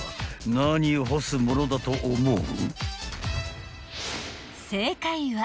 ［何を干すものだと思う？］